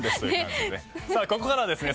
さあここからはですね